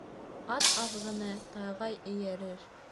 Ат аҙғыны тайға эйәрер.